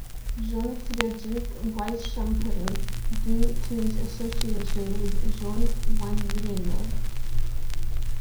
John Frederick Weishampel due to his association with John Winebrenner.